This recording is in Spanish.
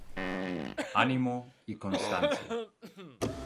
Ánimo y constancia".